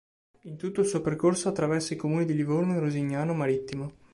In tutto il suo percorso attraversa i comuni di Livorno e Rosignano Marittimo.